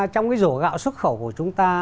trong cái rổ gạo xuất khẩu của chúng ta